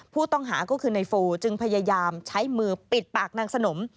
ผู้ต้องหาก็คือในโฟจึงพยายามใช้มือปิดปากนางสนม